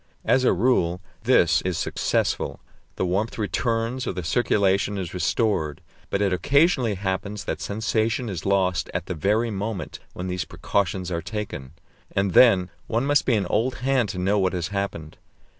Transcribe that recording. As a rule this is successful; the warmth returns, or the circulation is restored; but it occasionally happens that sensation is lost at the very moment when these precautions are taken. And then one must be an old hand to know what has happened.